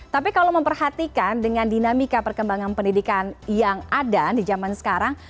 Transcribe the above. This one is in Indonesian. tapi kalau memperhatikan dengan dinamika perkembangan pendidikan yang ada di zaman sekarang